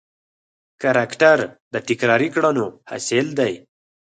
کرکټر د تکراري کړنو حاصل دی.